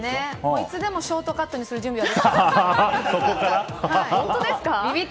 いつでもショートカットにする準備はできてます。